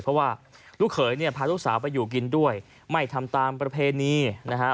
เพราะว่าลูกเขยเนี่ยพาลูกสาวไปอยู่กินด้วยไม่ทำตามประเพณีนะฮะ